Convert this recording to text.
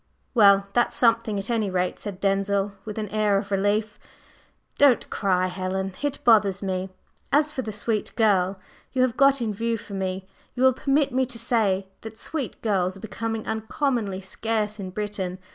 "Well, that's something, at any rate," said Denzil, with an air of relief. "Don't cry, Helen, it bothers me. As for the 'sweet girl' you have got in view for me, you will permit me to say that 'sweet girls' are becoming uncommonly scarce in Britain.